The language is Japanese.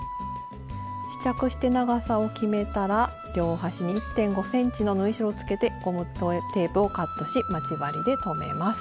試着して長さを決めたら両端に１．５ｃｍの縫い代をつけてゴムテープをカットし待ち針で留めます。